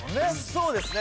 そうですね